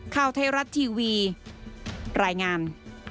ข่าวไทยรัฐทีวีรายงาน